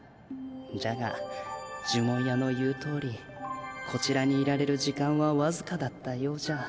じゃが呪文屋の言うとおりこちらにいられる時間はわずかだったようじゃ。